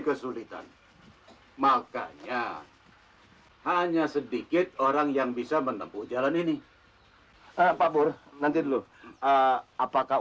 kesulitan makanya hanya sedikit orang yang bisa menempuh jalan ini pak pur nanti dulu apakah